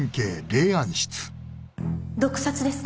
毒殺ですか？